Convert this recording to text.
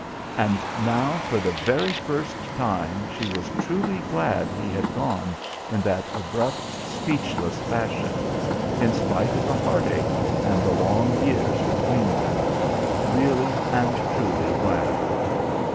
And now for the very first time she was truly glad he had gone in that abrupt, speechless fashion in spite of the heartache and the long years between them, really and truly glad.